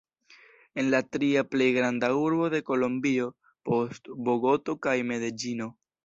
En la tria plej granda urbo de Kolombio, post Bogoto kaj Medeĝino.